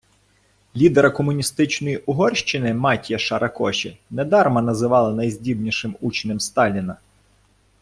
Лідера комуністичної Угорщини Матяша Ракоші недарма називали «найздібнішим учнем Сталіна».